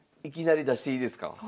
いきなり出していいですか？